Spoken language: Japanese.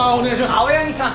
青柳さん！